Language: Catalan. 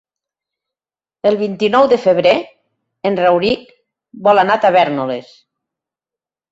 El vint-i-nou de febrer en Rauric vol anar a Tavèrnoles.